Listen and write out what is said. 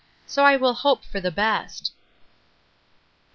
So I will hope for the best. Mr.